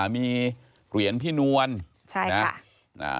มีเหรียญพี่นวลใช่ค่ะ